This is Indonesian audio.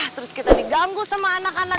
terus kita diganggu sama anak anak